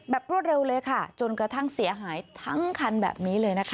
รวดเร็วเลยค่ะจนกระทั่งเสียหายทั้งคันแบบนี้เลยนะคะ